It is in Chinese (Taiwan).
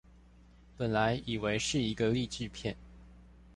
本來以為是一個勵志片